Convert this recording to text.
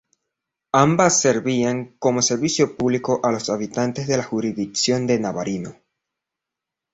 Ambas servían como servicio público a los habitantes de la jurisdicción de Navarino.